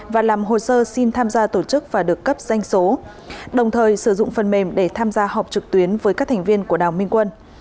và làm hồ sơ xin tham gia tổ chức và được cấp danh số đồng thời sử dụng phần mềm để tham gia họp trực tuyến với các thành viên của đào minh quân